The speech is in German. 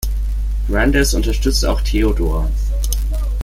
Brandeis unterstützt auch Theodor.